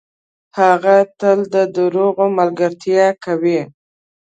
هغه تل ده دروغو ملګرتیا کوي .